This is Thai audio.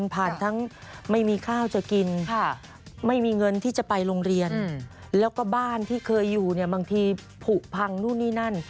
ทั้งไม่มีข้าวจะกินไม่มีเงินที่จะไปโรงเรียนแล้วก็บ้านที่เคยอยู่เนี่ยบางทีผูกพังนู่นนี่นั่น